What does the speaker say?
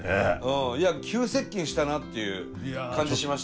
いや急接近したなっていう感じしましたね。